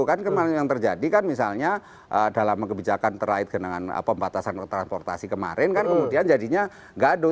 kan kemarin yang terjadi kan misalnya dalam kebijakan terkait dengan pembatasan transportasi kemarin kan kemudian jadinya gaduh